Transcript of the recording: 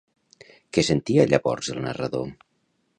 Què sentia llavors el narrador?